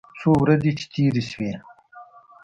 څو ورځې چې تېرې سوې.